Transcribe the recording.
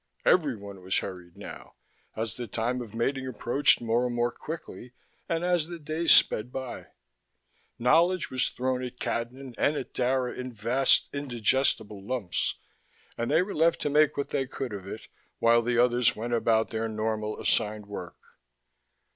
Everyone was hurried now, as the time of mating approached more and more quickly and as the days sped by: knowledge was thrown at Cadnan and at Dara in vast, indigestible lumps, and they were left to make what they could of it, while the others went about their normal assigned work.